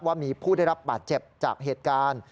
ว่ามีผู้ได้รับบาดเจ็บจากเหตุการณ์